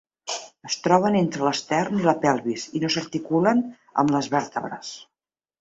Es troben entre l'estern i la pelvis, i no s'articulen amb les vèrtebres.